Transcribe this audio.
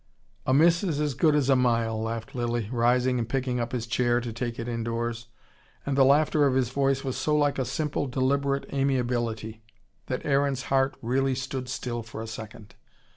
"A miss is as good as a mile," laughed Lilly, rising and picking up his chair to take it indoors. And the laughter of his voice was so like a simple, deliberate amiability, that Aaron's heart really stood still for a second.